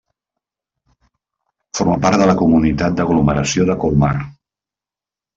Forma part de la Comunitat d'Aglomeració de Colmar.